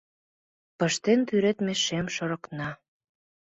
Пыштен тӱредме шем шорыкна -